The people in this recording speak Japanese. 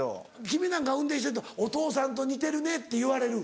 君なんか運転してるとお父さんと似てるねって言われる？